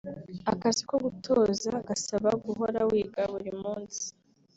Akazi ko gutoza gasaba guhora wiga buri munsi